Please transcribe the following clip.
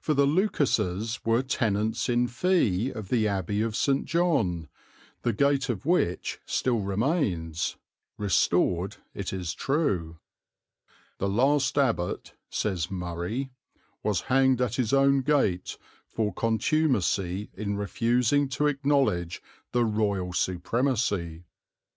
For the Lucases were tenants in fee of the Abbey of St. John, the gate of which still remains, restored it is true. "The last abbot," says Murray, "was hanged at his own gate for contumacy in refusing to acknowledge the Royal Supremacy."